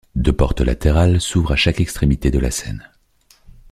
Deux portes latérales s'ouvrent à chaque extrémité de la scène.